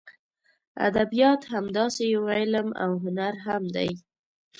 ادبیات همداسې یو علم او هنر هم دی.